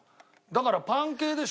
だから。